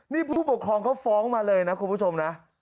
นี่ผู้ปกครองเขาฟ้องมาเลยนะคุณผู้ชมนะ